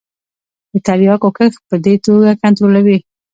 د تریاکو کښت په دې توګه کنترولوي.